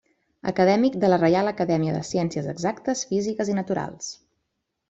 Acadèmic de la Reial Acadèmia de Ciències Exactes, Físiques i Naturals.